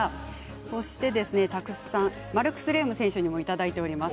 そして、たくさんマルクス・レーム選手にもいただいております。